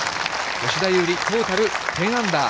吉田優利、トータル１０アンダー。